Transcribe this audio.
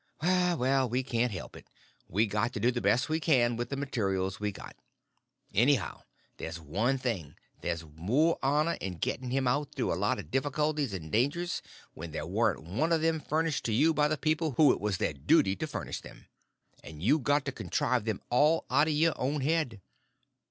Well, we can't help it; we got to do the best we can with the materials we've got. Anyhow, there's one thing—there's more honor in getting him out through a lot of difficulties and dangers, where there warn't one of them furnished to you by the people who it was their duty to furnish them, and you had to contrive them all out of your own head.